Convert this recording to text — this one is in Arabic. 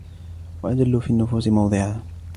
وَأَجَلَّ فِي النُّفُوسِ مَوْضِعًا